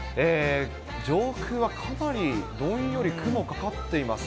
上空はかなりどんより雲かかっています。